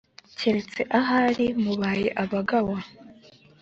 keretse ahari mubaye abagawa